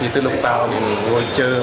từ lúc tao mình ngồi chơi